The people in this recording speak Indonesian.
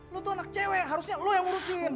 lu tuh anak cewek harusnya lo yang ngurusin